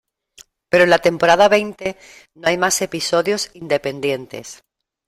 Pero en la temporada veinte, no hay más episodios independientes.